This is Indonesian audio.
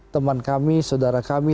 teman kami saudara kami